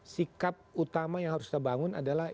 sikap utama yang harus kita bangun adalah